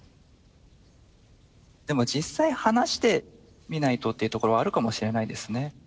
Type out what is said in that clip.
でも実際話してみないとっていうところはあるかもしれないですね。